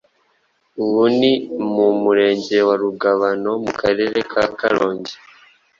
Ubu ni mu murenge wa Rugabano mu Karere ka Karongi